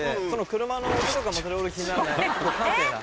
車の音とかもそれほど気にならない。